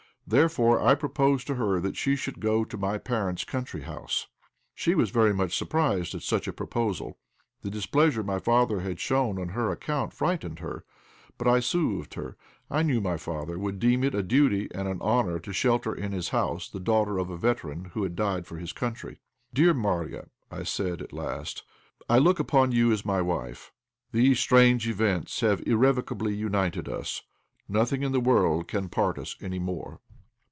Therefore I proposed to her that she should go to my parents' country house. She was very much surprised at such a proposal. The displeasure my father had shown on her account frightened her. But I soothed her. I knew my father would deem it a duty and an honour to shelter in his house the daughter of a veteran who had died for his country. "Dear Marya," I said, at last, "I look upon you as my wife. These strange events have irrevocably united us. Nothing in the whole world can part us any more."